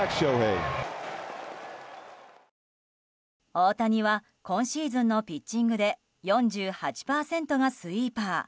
大谷は今シーズンのピッチングで４８％がスイーパー。